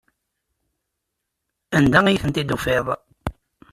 Anda ay ten-id-tufiḍ?